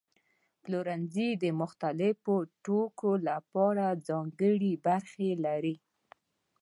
پلورنځي د مختلفو توکو لپاره ځانګړي برخې لري.